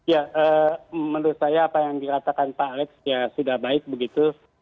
ya menurut saya apa yang dikatakan pak alex ya sudah baik begitu